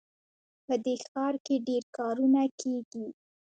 په دې ښار کې ډېر کارونه کیږي